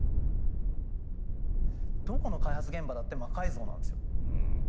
どこの開発現場だって魔改造なんですよ。